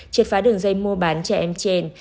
triệt phá đường dây mua bán trẻ em trên